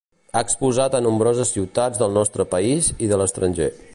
Ha exposat a nombroses ciutats del nostre país i de l'estranger.